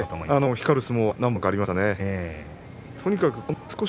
光る相撲が何番かありましたね。